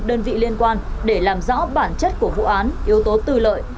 đơn vị liên quan để làm rõ bản chất của vụ án yếu tố tư lợi